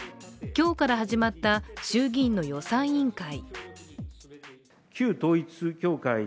今日から始まった衆議院の予算委員会。